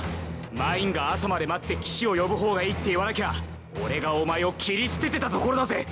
マインが朝まで待って騎士を呼ぶほうがいいって言わなきゃ俺がお前を斬り捨ててたところだぜ。